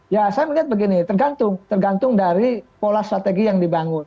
ya saya melihat begini tergantung dari pola strategi yang dibangun